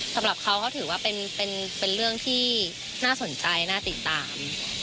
สำหรับเขาก็ถือว่าเป็นเรื่องที่น่าสนใจน่าติดตาม